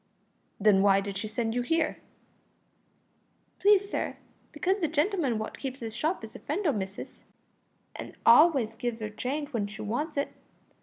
"Then why did she send you here?" "Please, sir, because the gentleman wot keeps this shop is a friend o' missis, an' always gives 'er change w'en she wants it.